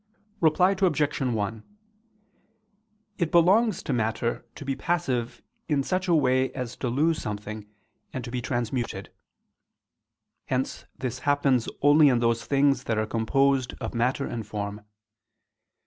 Reply Obj. 1: It belongs to matter to be passive in such a way as to lose something and to be transmuted: hence this happens only in those things that are composed of matter and form.